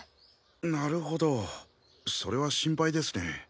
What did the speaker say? なるほどそれは心配ですね。